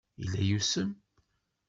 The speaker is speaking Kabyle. Yella yusem.